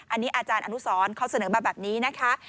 อันนี้อาจารย์อนุสรเขาเสนอมาแบบนี้นะคะ